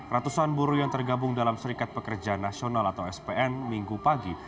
ratusan buruh yang tergabung dalam serikat pekerja nasional atau spn minggu pagi